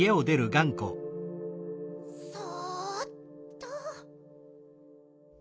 そっと。